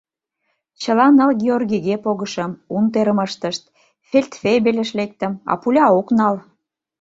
Чыла ныл «Георгийге» погышым, унтерым ыштышт, фельдфебельыш лектым, а пуля ок нал.